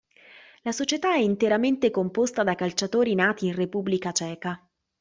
La società è interamente composta da calciatori nati in Repubblica Ceca.